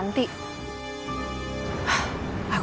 aku ikutin aja deh